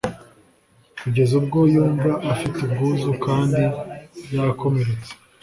kugeza ubwo yumva afite ubwuzu kandi yakomeretse.